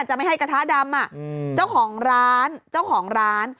จะไม่ให้กระทะดำเจ้าของร้านเจ้าของร้าน